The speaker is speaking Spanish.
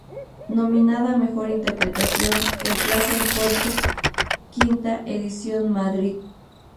Nominada a Mejor Interpretación "El Plaza en Corto", Vª Edición, Madrid.